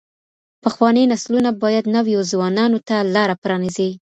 پخواني نسلونه بايد نويو ځوانانو ته لاره پرانيزي.